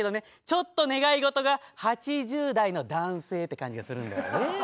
ちょっと願い事が８０代の男性って感じがするんだよね。